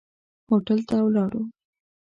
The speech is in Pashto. هوټل ته ولاړو.